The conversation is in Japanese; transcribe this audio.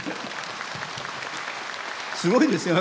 すごいですよね